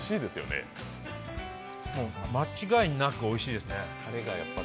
間違いなくおいしいですね。